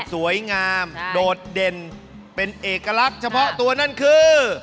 สวยงามโดดเด่นเป็นเอกลักษณ์เฉพาะตัวนั่นคือ